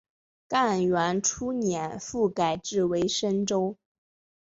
干元初年复改置为深州。